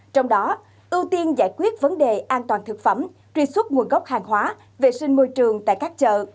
trong đó ưu tiên giải quyết vấn đề an toàn thực phẩm truy xuất nguồn gốc hàng hóa vệ sinh môi trường tại các chợ